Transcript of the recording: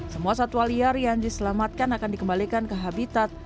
semua satwa liar yang diselamatkan akan dikembalikan ke habitat